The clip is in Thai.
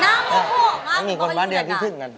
น้ำหัวห่วงมากมีคนบ้านเดียวที่ขึ้นกัน